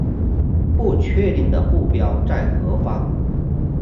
不确定的目标在何方